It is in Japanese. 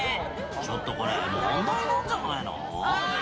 ちょっとこれ、問題なんじゃないの？